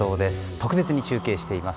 特別に中継しています。